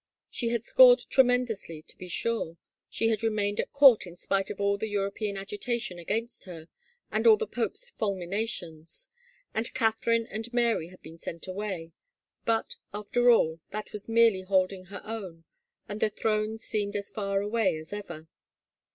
She had scored tremendously, to be sure, she had remained at court in spite of all the European agitation against her and all the pope's fulminations, and Catherine and Mary had been sent away, but after all, that was merely hold ing her own and the throne seemed as far away as ever.